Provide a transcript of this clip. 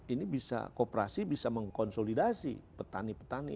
ini bisa kooperasi bisa mengkonsolidasi petani petani